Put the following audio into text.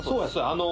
あの。